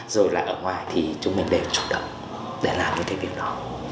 rồi là ở ngoài thì chúng mình đều chủ động để làm những cái việc đó